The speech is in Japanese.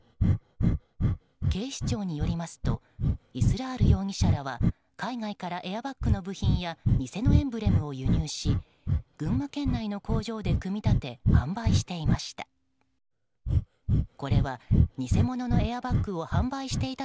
警視庁によりますとイスラール容疑者らは海外からエアバッグの部品や偽のエンブレムを輸入し群馬県内の工場で組み立て販売していました。